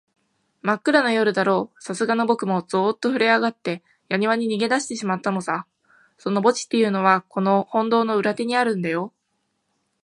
まっくらな夜だろう、さすがのぼくもゾーッとふるえあがって、やにわに逃げだしてしまったのさ。その墓地っていうのは、この本堂の裏手にあるんだよ。